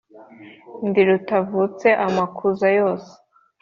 Ndi rutavutsa amakuza yose